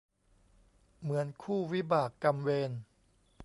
เหมือนคู่วิบากกรรมเวร